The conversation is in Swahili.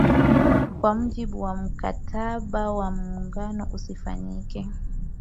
kwa mujibu wa Mkataba wa Muungano usifanyike